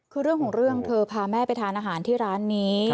คือเรื่องของเรื่องเธอพาแม่ไปทานอาหารที่ร้านนี้